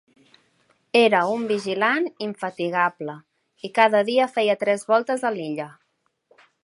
Era un vigilant infatigable i cada dia feia tres voltes a l'illa.